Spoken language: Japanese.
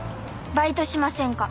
バイトしませんか？」